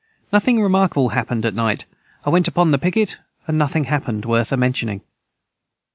Nothing remarkable hapned at night I went upon the piquet and nothing hapned worth a mentioning.